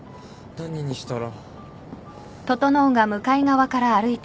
何にしたら。